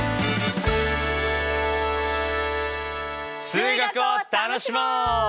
数学を楽しもう！